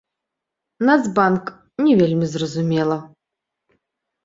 Нацбанк, не вельмі зразумела.